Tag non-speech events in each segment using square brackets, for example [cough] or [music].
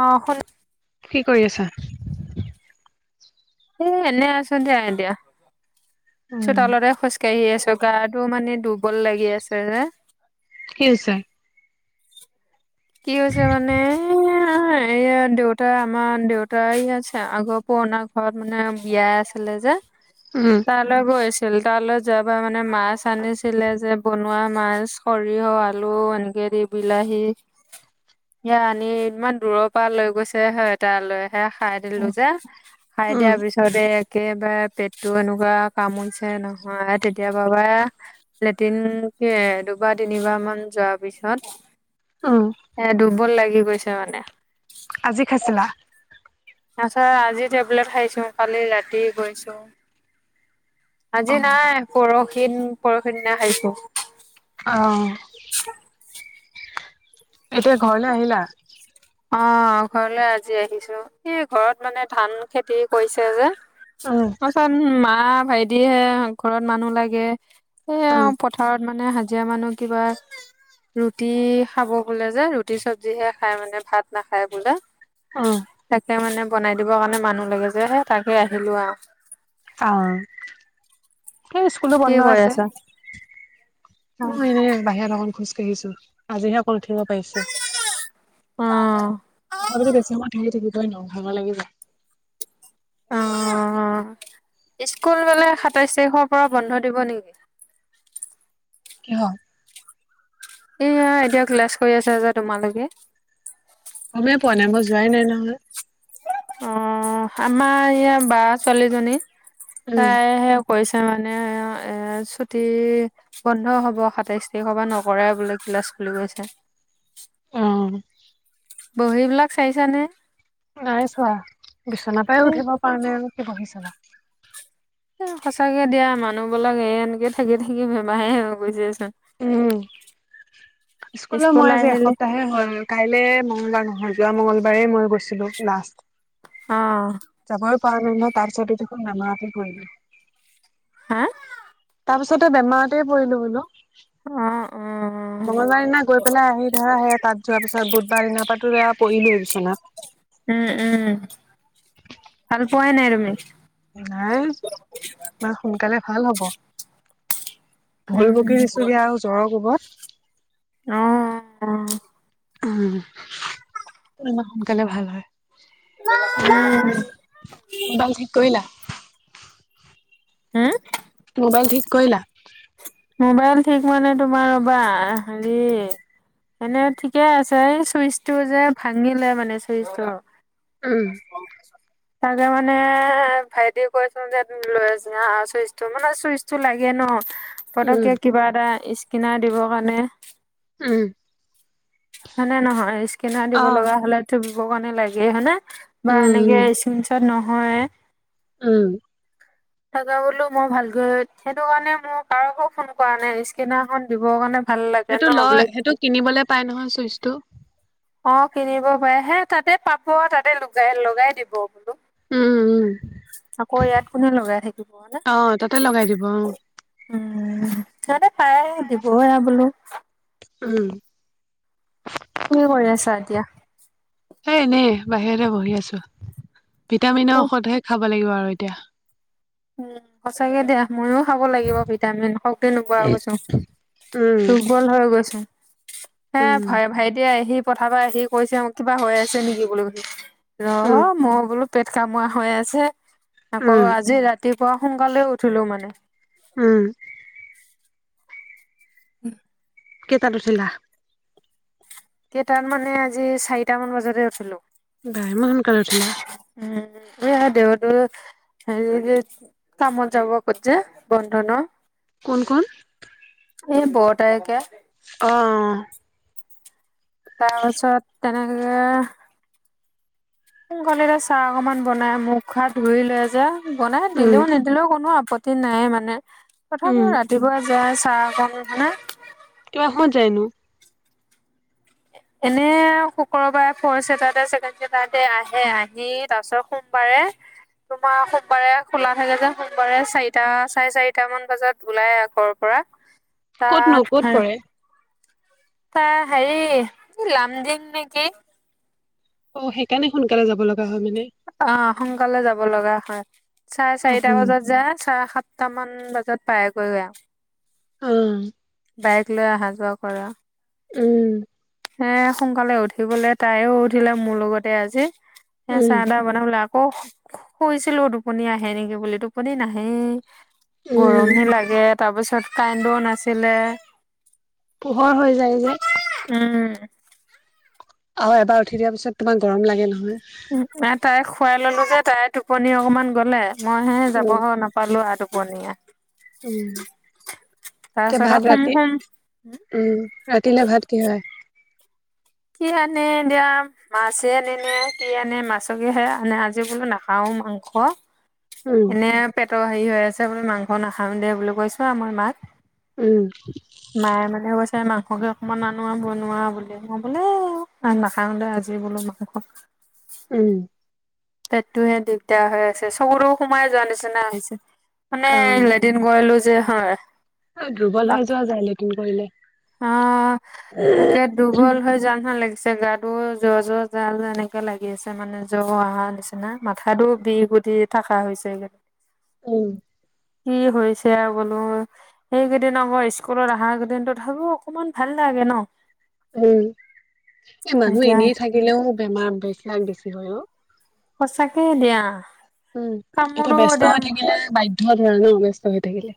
অ শুন কি কৰি আছা? এ এনে আছো দিয়া এতিয়া। উম, চোতালতে খোজ কাঢ়ি আছো। গাটো মানে দুৰ্বল লাগি আছে যে। কি হৈছে? কি হৈছে মানে এই দেউতা আমাৰ দেউতা ইয়াত আগৰ পুৰণা ঘৰত মানে বিয়া আছিলে যে। উম। তালৈ গৈছিল তালৈ যোৱাৰ পৰা মানে মাছ আনিছিলে যে বনোৱা মাছ। সৰিয়হ আলু এনেকে দি বিলাহী। এ আনি ইমান দূৰৰ পৰা লৈ গৈছে হয়। তা লৈ হে খাই দিলো যে, খাই উম, দিয়াৰ পিছতে একেবাৰে পেটটো এনেকুৱা কামুৰিছে নহয়, তেতিয়াৰ পৰা লেটিন দুবাৰ তিনিবাৰ মান যোৱাৰ পিছত উম, এ দুৰ্বল লাগি গৈছে মানে। আজি খাইছিলা। তাপিছত আজি টেবলেট খাইছো কালি ৰাতি গৈছো। আজি অ', নাই পৰহি পৰহি দিনা খাইছো। অঁ [inaudible] এতিয়া ঘৰলে আহিলা। অঁ ঘৰলৈ আজি আহিছো, এই ঘৰত মানে ধান খেতি কৰিছে যে। উম, তাৰপিছত মা ভাইটিহে ঘৰত মানুহ লাগে এ আও উম, পথাৰত মানে হাজিৰা মানুহ কিবা ৰুটি খাব বোলে যে, ৰুটি চব্জিহে খাই মানে। ভাত নাখায় বোলে, উম, তাকে মানে বনাই দিবৰ কাৰণে মানুহ লাগে যে তাকে আহিলো আৰু। অঁ, সেই স্কুলো কি বন্ধ কৰি আছে। আছা মই এনে বাহিৰত অকন খোজ কঢ়িছো। আজিহে অকল উঠিব পাৰিছো, অ তাৰ পৰা বেছি সময় থাকি থাকি হয় ন ভাগৰ লাগি যায়। অঁ স্কুল হলে সাতাইশ তাৰিখৰ পৰা বন্ধ দিব নেকি? কিহ এয়া এতিয়া ক্লাছ কৰি আছা যে তোমালোকে। গমে পোৱা নাই মই যোৱাই নাই নহয়। অঁ, আমাৰ এইয়া বা ছোৱালীজনী উম, তাই কৰিছে মানে এ ছুটি বন্ধ হ'ব সাতাইশ তাৰিখৰ পৰা নকৰে বোলে ক্লাছ খুলি গৈছে। অঁ বহী বিলাক চাইছানে? নাই চোৱা, বিচনাৰ পৰায় এ উঠিব পৰা নাই কি বহি চাবা? এ সঁচাকে দিয়া মানুহবিলাক এ এনেকে থাকি থাকি বেমাৰহে হৈ গৈছেচোন উম, স্কুলৰ স্কুল মই আজি আহিলে এসপ্তাহে হোৱা নাই। কাইলৈ মঙ্গলবাৰ নহয় যোৱা মঙগলবাৰেই মই গৈছিলোঁ লাষ্ট। অঁ যাবও পাৰ নাই ন তাৰ পিছতে দেখোন বেমাৰতে পৰিলো। হা তাৰ পিছতে বেমাৰতে পৰিলো বোলো অ অ মঙলবাৰ দিনা গৈ পেলাই আহি ধৰা সেয়া তাত যোৱাৰ পিছত বুধবাৰ দিনৰ পৰা তো পৰিলোৱে বিছনাত। উম উম ভাল পোৱাই নাই তুমি। নাই ইমান বেমাৰ সোনকালে ভাল হব। ভুল উম বকি উম দিছোগে আও জ্বৰৰ কোবত। অহ অহ। উম ক'ত ইমান সোনকালে ভাল হয় অ মা উম মোবাইল ঠিক কৰিলা। উম মোবাইল ঠিক কৰিলা। মোবাইল ঠিক মানে তোমাৰ ৰ'বা হেৰি। এনে ঠিকে আছে চুইচটো যে ভাঙিলে মানে চুইচটো। উম কি হ'ল। তাকে মানে ভাইটিক কৈছো যে তুমি লৈ যোৱা চুইচটো মানে চুইচটো লাগে ন উম পটকে কিবা এটা ইস্কনাৰ দিবৰ কাৰণে উম হয়নে নহয় স্কেনাৰ অ দিব লগা হ'লেতো দিবৰ কাৰণে লাগেই হয়নে। বা উম উম এনেকে ইস্ক্ৰীনশ্বট নহয়। উম [unintelligible] তাকে বোলো মই ভালকৈ সেইটো কাৰণে মোৰ কাৰোকো ফোন কৰা নাই স্কেনাৰ খন দিবৰ কাৰণে। ভাল লাগে সেইটো ন লয় বোলে সেইটো কিনিবলে পাই নহয় চুইচটো অ কিনিব পাৰে হে তাতে পাব তাতে লগাই লগাই দিব বোলো উম উম আকৌ ইয়াত কোনে লগাই থাকিব নে। অ তাতে লগাই দিব অ উম সিহঁতে পাৰে দিবই আও বোলো। উম কি কৰি আছা এতিয়া। এ এনেই বাহিৰতে বহি আছো ভিটামিনৰ উম ঔষধহে খাব লাগিব আৰু এতিয়া উম সঁচাকে দিয়া ময়ো খাব লাগিব ভিটামিন শক্তি নোপোৱা হৈ গৈছো। উম দুৰ্বল হৈ গৈছো। হে উম ভাই ভাইটিয়ে আহি পথাৰৰ পৰা আহি কৈছে মোক কিবা হৈ আছে নেকি বোলো ৰহ উম মই বোলো পেট কামোৰা হৈ আছে আকৌ উম আজি ৰাতি। ৰাতিপুৱা সোনকালে উঠিলো মানে। উম উম। কেইটাত উঠিলা। কেইটাত মানে আজি চাৰিটা মান বজাতে উঠিলোঁ। বাহ ইমান সোনকালে উঠিলা। উম [unintelligible] সেই যে কামত যাব ক যে বন্ধ ন। কোন কোন। এই বৰতাঐ কে অহ। তাৰপাছত তেনে। সোনকালে এতিয়া চাহ অকনমান বনাই মুখ হাত ধুই লৈ যে বনাই উম দিলেও নিদ দিলেও কোনো আপত্তি নাই মানে উম তথাপিও ৰাতিপুৱা যায় চাহঅকণ মানে কিমান সময়ত যায়নো এনে শুক্ৰবাৰে ফৰ চেটাৰডে ছেকেণ্ড চেডটাৰডে আহে আহি তাৰপিছত সো [inaudible] বাৰে [unintelligible] তোমাৰ সোমবাৰে খোলা থাকে যে। সোমবাৰে চাৰিটা চাৰে চাৰিটা মান বজাত ওলাই আগৰ পৰা। [unintelligible] [inaudible] ক'তনো ক'ত তাত কৰে? [unintelligible] তাৰ হেৰি লামডিং নে কি? [unintelligible] অ! সেইকাৰণে সোনকালে যাব লগা হয় মানে। [inaudible] অঁ! সোনকালে যাব লগা হয়। চাৰে উম চাৰিটা উম বজাত যায় চাৰে সাত [unintelligible] সাতটামান বজাত পায়গৈ আৰু। [unintelligible] উম। [unintelligible] বাইক লৈ অহা যোৱা কৰে। [unintelligible] উম। [inaudible] সেয়ে সোনকালে উঠিবলে তাইও উঠিলে মোৰ লগতে আজি। এ উম চাহ-টাহ বনাবলে আ [inaudible] আকৌ শুইছিলো টোপনি আহে নেকি বুলি টোপনি নাহেই। [inaudible] উম গৰমহে লাগে। তাৰপিছত কাৰেণ্টও নাছিলে। [inaudible] পোহৰ হৈ যায় যে। [inaudible] উম। [unintelligible] উম। [inaudible] আৰু এবাৰ উঠি দিয়াৰ পিছত তোমাৰ গৰম লাগে নহয়। [inaudible] এ তাই খুৱাই ললো তাই টোপনি অকনমান গলে। মই হে যাব উম [unintelligible] নাপালো আৰু টোপনি এ। [inaudible] উম! তাৰ এতিয়া পিছত ভাত শুম ৰাতি শুম [unintelligible] উম! ৰাতিলে ভাত কি হয়? কি আনে এতিয়া? [unintelligible] মাছে আনে নে কি আনে মাছকে সে আনে আজি বোলো নাখাওঁ মাংস। [inaudible] উম, এনে পেটৰ হেৰি হৈ আছে বোলো মাংস নাখাং দে বুলি কৈছো আৰু আমাৰ মাক। [inaudible] উম! [unintelligible] মায়ে মানে কৈছে মাংসকে অকমান আনো আৰু বনোৱা বোলে। মই বোলো এ [inaudible] আৰু নাখাওঁ দে আজি বোলো মাংস। [inaudible] উম! [inaudible] পেটটোহে দিগদাৰ হৈ আছে। চকু-টকু সোমাই যোৱা নিচিনা হৈছে। মানে অ', লে [inaudible] লেটিন কৰিলো যে হয়। [inaudible] দুৰ্বল হৈ যোৱা যায় লেটিন কৰিলে। [inaudible] অঁ! তাকে উম, দুৰ্বল হৈ যোৱা নিছিনা লাগিছে গাত। [inaudible] মোৰো জ্বৰ-জ্বৰ জ্বাৰ এনেকে লাগি আছে মানে জ্বৰ অহাৰ নিচিনা। মাথাতো বিষ উঠি [inaudible] থাকা হৈছে সেই [unintelligible] উম! [inaudible] কি হৈছে আৰু বোলো [inaudible] সেইকেইদিন আকৌ স্কুলত অহা কেইদিনো তথাপিও অকনমান ভাল লাগে ন। [inaudible] উম! এ মানুহ এতিয়া এনেই থাকিলেও বেমাৰ বেচলাক বেছি হয় অ। [inaudible] সঁচাকৈ দিয়া। [inaudible] উম! এতিয়া কামোৰো ব্যস্ত দিয়া হৈ থাকিলে বাধ্যত‌ হয় ন ব্যস্ত হৈ থাকিলে।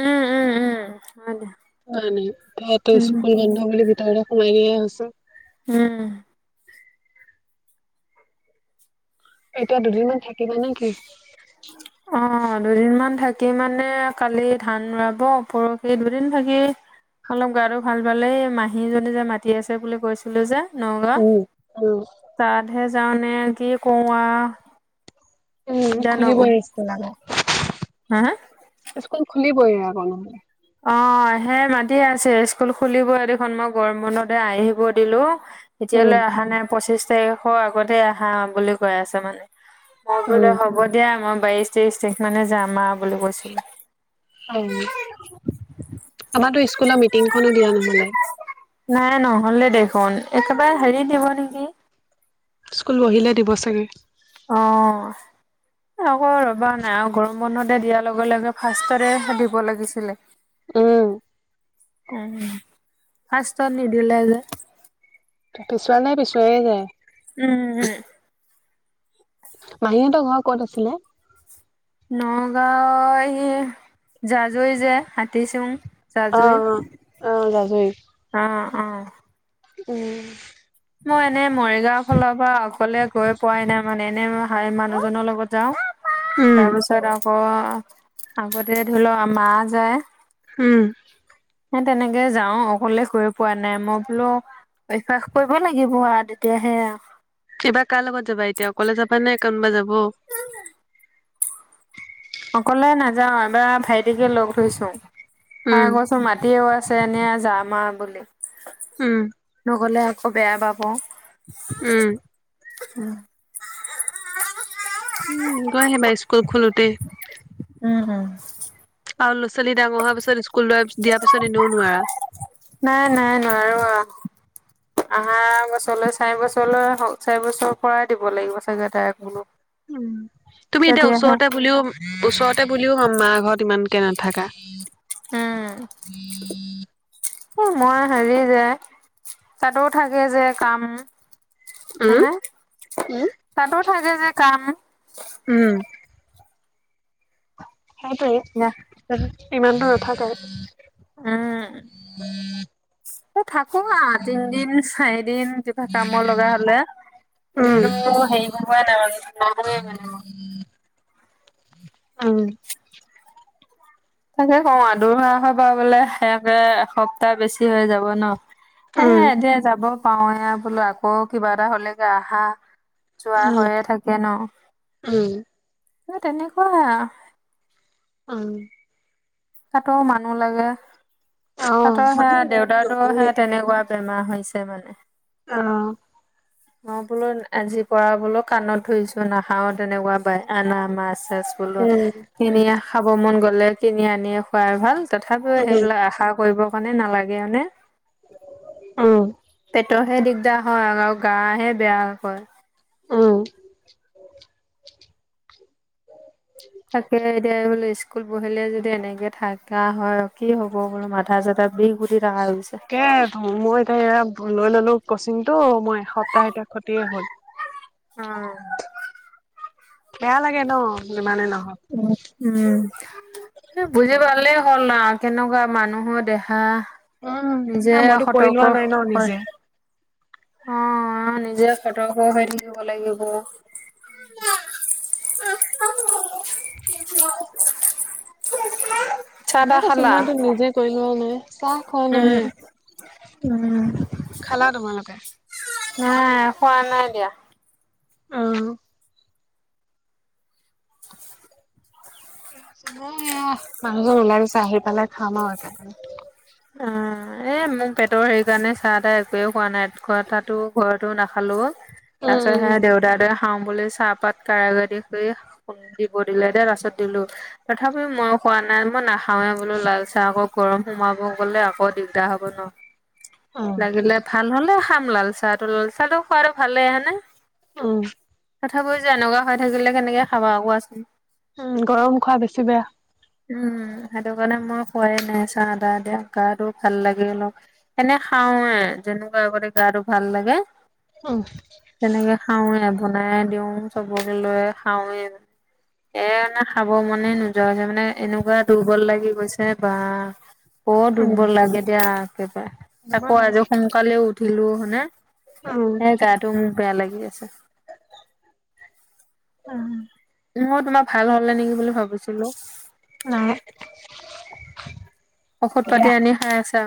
উম উম উম হয় দিয়া [inaudible] নাই-নাই। ল'ৰাটো উম স্কুল বন্ধ হৈ গ'লে [inaudible] মেলেৰিয়া হৈছে। [unintelligible] উম! [unintelligible] এতিয়া দুদিনমান থাকিবা নে কি? [unintelligible] [unintelligible] অঁ দুদিনমান থাকি মানে কালি ধান ৰোৱাব পৰহি দুদিন থাকি- অলপ গাটো ভাল পিলেই মাহী এজনী যে মাতি আছে বুলি কৈছি- লো যে নগাঁও উম, উম, তাতহে যাওঁ নে কি কওঁ আ। উম' খুলিবই স্কুল, হা স্কুল খুলিবই আকৌ নহলে। অঁ সে মাতি আছে স্কুল খুলিবই দেখোন মই গৰম বন্ধতে আহিব দিলো। উম, ইতিয়ালৈ আহা নাই পঁচিশ তাৰিখৰ আগতে অহা বুলি কৈ আছে মানে। মই বোলো উম, হ'ব দিয়া মই বাইশ তেইশ তাৰিখ মানে যাম আ বুলি কৈছিলো। অঁ' তাতো স্কুলৰ মিটিংখনো দিয়া নহলে। নাই নহ'লে দেখোন একেবাৰে হেৰিত দিব নিকি। স্কুল বহিলে দিব চাগে। অঁ' আকৌ ৰবা নাই আৰু গৰম বন্ধতে দিয়াৰ লগে লগে ফাৰ্ষ্টতে হে দিব লাগিছিলে। উম, উম' ফাষ্ট ত নিদিলে যে। পিছুৱা নাই পিছুৱাই যায়। উম' উম' মাহীহঁতৰ ঘৰ ক'ত আছিলে? নগাঁও এই জাজৈ যে হাতীচুং। জাজুই অ', অ', অ', জাজৰি। অঁ অঁ'। উম' মই এনেই মৰিগাওঁ ফালৰ পৰা অকলে গৈ পোৱাই নাই মানে এনে হ মানুহজনৰ লগত যাওঁ। উম, তাৰপিছত আকৌ আগতে ধৰি লও মা যায়। হুম' হে তেনেকে যাওঁ অকলে গৈ পোৱা নাই মই বোলো- কৰিব লাগিব আ তেতিয়াহে আ। এইবা কাৰ লগত যাবা এতিয়া অকলে যাবা নে কোনবা যাব? অকলে নাযাওঁ এবাৰ ভাইটিকে লগ ধৰিছোং। উম, খাই গৈছোং মাটি এওৱা- ছে এনে আ যাম আৰু বুলি উম, নগলে আকৌ বেয়া পাব। উম' উম, উম' গৈ আহিবা স্কুল খোলোতেই। উম' আৰু লৰা ছোৱালী ডাঙৰ হোৱা পিছত স্কুল যোৱা দিয়াৰ পিছত এনেও নোৱাৰা। নাই নাই নোৱাৰো আ। আহা বছৰলৈ চাৰি বছৰলৈ হ চাৰি বছৰ পৰাই দিব লাগিব চাগে তাইক বোলো। উম' তুমি এতিয়া তেতিয়াহে ওচৰতে বুলিও ওচৰতে বুলিও মাৰ ঘৰত ইমানকে নাথাকা। উম [inaudible] এ মই হেৰি যে তাতোও থাকে যে কাম। উম, ছেনে তাতো থাকে যে কাম। উম' সেইটোৱেই ইমান দুৰ নাথাকেই। উম এ থাকো আ তিনদিন চাৰিদিন কিবা কামৰ লগা হলে। উম, এনেইতো হেৰি কৰিবই নাই মানুয়ে নাই। উম' তাকে কওঁ আদৰোৱা সভা বোলে সে একে এসপ্তাহ বেছি হৈ যাব ন। উম, সেয়েহে এতিয়া যাব পাৰো এ বোলো আকৌ কিবা এটা হলেকে আহা যোৱা উম, হৈয়ে থাকে ন উম, সে তেনেকুৱায়ে আৰু উম তাতো মানুহ লাগে অ', অ', তাতো সে উম, দেউতাওটো সে তেনেকুৱা বেমাৰ হৈছে মানে অ মই বোলো আজিৰ পৰা বোলো কাণত ধৰিছো নাখাও আৰু তেনেকুৱা বাই আনা মাছ চাছ বলো উম, কিনিয়ে খাব মন গ'লে কিনি আনিয়ে খোৱাই ভাল উম, উম। তথাপিও সেইবিলাক আশা কৰিব কাৰণে নালাগে মানে উম পেটৰহে দিগদাৰ হয় আৰু গা হে বেয়া হয় উম থাকে এতিয়ায় বোলো স্ক স্কুল পঢ়িলে যদি এনেকে থাকা হয় কি হ'ব বোলো মাথা চাথা বিষ উঠি থকা হৈছে কেপ অ মই এতিয়া এয়া লৈ ললো কচিংটো মই এসপ্তাহ এতিয়া ক্ষতিয়ে হ'ল অ বেয়া লাগে ন যিমানেই নহক উ উম বুজি পালেই হ'ল আৰু কেনেকুৱা মানুহৰ দেহা উম, নিজে এ মইতো কৰি লোৱা সতৰ্কৰ নাই ন হয় নিজে। অ নিজে সতৰ্ক হৈ থাকিব লাগিব [unintelligible] [unintelligible] তাকে কৈছো খালা? মইতো নিজে কৰি লোৱা নাই চাহ খোৱা উম, নাই উম, খালা তোমালোকে নাই খোৱা নাই দিয়া অ [unintelligible] [unintelligible] এয়া মানুহজন ওলাই গৈছ আহি পালেই খাম আৰু একে অ এ মোৰ পেটৰ হেৰি কাৰণে চাহ টাহ একোৱেই খোৱা নাই খোৱাটাতো ঘৰতো নাখালোও উম, তাৰপিচত সে উম, দেউতা হতে খাওঁ বুলি চাহপাত কাঢ়াকে দিছোয়ে [unintelligible] দিলে তাৰ পাছত দিলো তথাপিও মইও খোৱা নাই মই নাখাওৱে বোলো লাল চাহ আকৌ গৰম সোমাব গলে আকৌ দিগদাৰ হব ন উম, লাগিলে ভাল হলে খাম লাল চাহটো লাল চাহটো খোৱাটো ভালে [unintelligible] এনে উম তথাপিও যে এনেকুৱা হৈ থাকিলে কেনেকে খাবা কোৱাচোন উম গৰম খোৱা বেছি বেয়া উম সেইটো কাৰণে মই খোৱাই নাই চাহ টাহ এতিয়া গাটো ভাল লাগে অলপ এনে খাওঁয়ে যেনেকুৱা আগতে গাটো ভাল লাগে অঁ তেনেকে খাওৱে বনাই দিও চবক লৈ খাওৱোনে এ মানে খাব মনে নোযোৱা যে মানে এনেকুৱা দুৰ্বল লাগি গৈছে বা ক উম। দুৰ্বল লাগে দিয়া একেবাৰে আকৌ আজ সোনকালে উঠিলো হনে। এ নাই গাটো মো বেয়া লাগি আছে। আঁ। ময তোমাৰ ভাল হল নেকি বুলি ভাবিছিলো। নাই ঔষধ এতিয়া পাতি আনি খাই আছা।